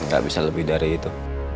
gak bisa lebih dari itu